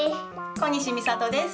小西美里です。